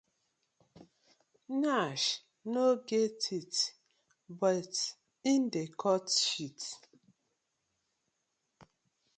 Yansh no get teeth but e dey cut shit: